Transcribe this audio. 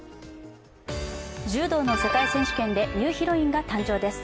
柔道の世界選手権でニューヒロインが誕生です。